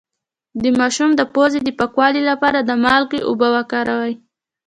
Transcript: د ماشوم د پوزې د پاکوالي لپاره د مالګې اوبه وکاروئ